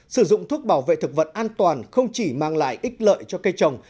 sử dụng thuốc bảo vệ thực vật an toàn không chỉ mang lại ít lợi cho cây trồng